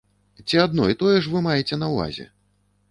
Ці адно і тое ж вы маеце на ўвазе?